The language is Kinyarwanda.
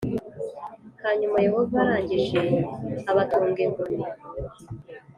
Hanyuma Yehova arangije abatunga inkoni